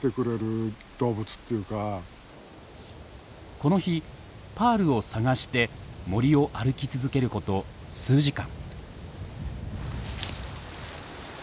この日パールを捜して森を歩き続けること数時間。